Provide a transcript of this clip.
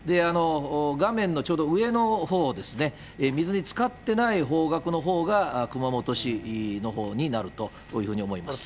画面のちょうど上のほうですね、水につかっていない方角のほうが、熊本市のほうになるというふうに思います。